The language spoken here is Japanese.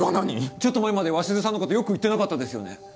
ちょっと前まで鷲津さんのこと良く言ってなかったですよね？